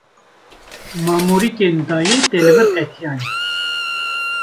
Ma morîkên dêya te li vir qetiyane.